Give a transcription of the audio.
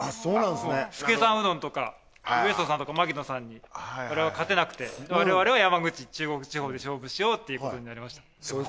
資さんうどんとかウエストさんとか牧のさんに我々勝てなくて我々は山口中国地方で勝負しようっていうことになりました